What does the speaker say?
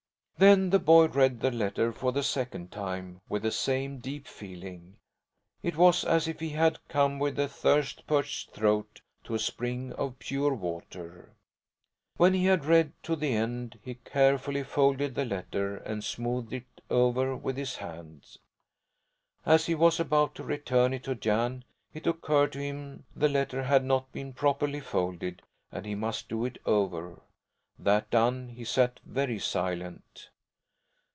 Then the boy read the letter for the second time, with the same deep feeling. It was as if he had come with a thirst parched throat to a spring of pure water. When he had read to the end he carefully folded the letter and smoothed it over with his hand. As he was about to return it to Jan, it occurred to him the letter had not been properly folded and he must do it over. That done, he sat very silent.